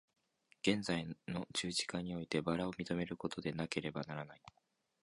現在の十字架において薔薇を認めることでなければならない。